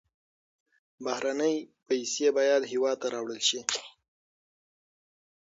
بهرنۍ پیسې باید هېواد ته راوړل شي.